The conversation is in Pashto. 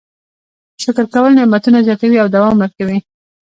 شکر کول نعمتونه زیاتوي او دوام ورکوي.